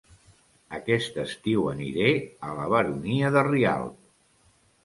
Aquest estiu aniré a La Baronia de Rialb